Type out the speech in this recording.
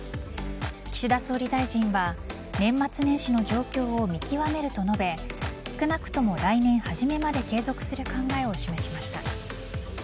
岸田総理大臣は年末年始の状況を見極めると述べ少なくとも来年初めまで継続する考えを示しました。